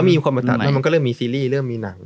มีคนมาตัดแล้วมันก็เริ่มมีซีรีส์เริ่มมีหนัง